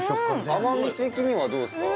甘み的にはどうっすか？